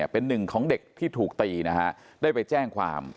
เป็นหนึ่งของเด็กที่ถูกตีนะฮะได้ไปแจ้งความ